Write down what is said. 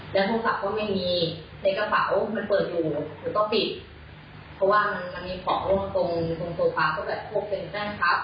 และโทรศัพท์ก็ไม่มีเสร็จกระเป๋ามันเปิดอยู่หรือก็ปิดเพราะว่ามันมีของตรงโซฟาก็แบบครบเป็นแจ้งครับ